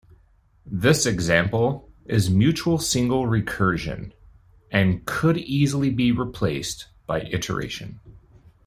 This example is mutual single recursion, and could easily be replaced by iteration.